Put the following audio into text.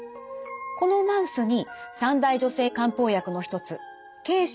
このマウスに三大女性漢方薬の一つ桂枝